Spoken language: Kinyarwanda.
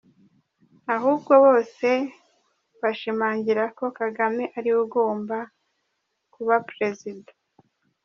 Ahubwo bose bashimangira ko Kagame ariwe ugomba kuba Perezida.